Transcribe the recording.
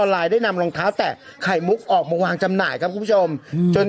ตามตอนจำที่เมื่อก่อนเราทำขายอะไร